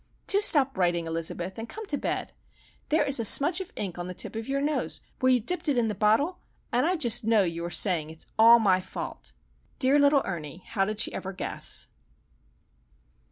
"Do stop writing, Elizabeth, and come to bed. There is a smudge of ink on the tip of your nose where you dipped it in the bottle, and I just know you are saying it is all my fault!" Dear little Ernie, how did she ever guess?